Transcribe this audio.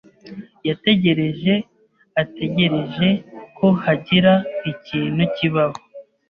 yategereje ategereje ko hagira ikintu kibaho.